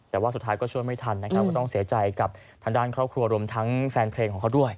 แต่ว่าสุดท้ายก็ช่วยไม่ทันนะครับก็ต้องเสียใจกับทางด้านครอบครัวรวมทั้งแฟนเพลงของเขาด้วย